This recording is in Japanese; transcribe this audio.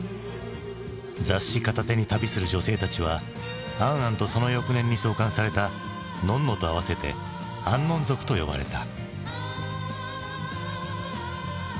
雑誌片手に旅する女性たちは「ａｎ・ａｎ」とその翌年に創刊された「ｎｏｎ−ｎｏ」と合わせて「アンノン族」と呼ばれた。